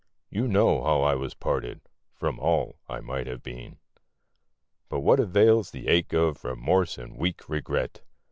You know how I was parted From all I might have been. But what avails the ache of Remorse or weak regret?